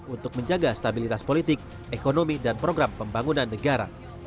untuk menjaga stabilitas politik ekonomi dan program pembangunan negara